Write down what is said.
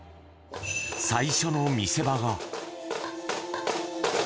最初の見せ場が。